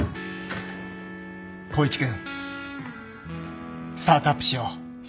光一君スタートアップしよう